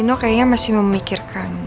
nino kayaknya masih memikirkan